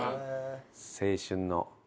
青春の。